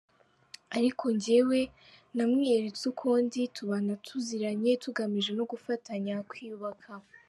Ariko njye namwiyeretse uko ndi, tubana tuziranye , tugamije no gufatanya kwiyubaka.